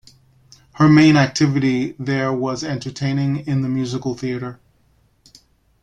Her main activity there was entertaining in the musical theater.